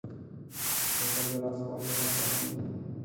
بوتل د لاس په واسطه خلاصېږي.